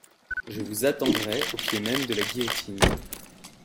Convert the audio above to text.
Je vous attendrai au pied même de la guillotine.